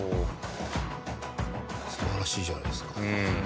素晴らしいじゃないですか。